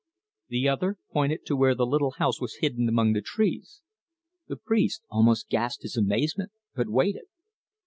The other pointed to where the little house was hidden among the trees. The priest almost gasped his amazement, but waited.